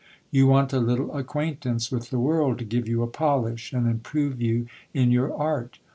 You want a little acquaintance with the world to give you a polish, and improve you in your art.